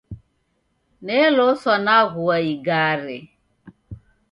Neloswa naghua igare.